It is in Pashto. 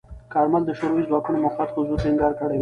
کارمل د شوروي ځواکونو موقت حضور ټینګار کړی و.